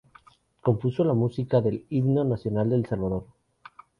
Compuso la música del Himno Nacional de El Salvador.